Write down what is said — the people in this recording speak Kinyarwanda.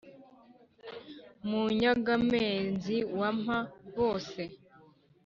munyaga-mpenzi wa mpa-bose